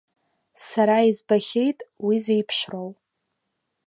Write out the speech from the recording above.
Сара избахьеит уи зеиԥшроу!